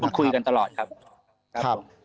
พูดคุยกันตลอดครับ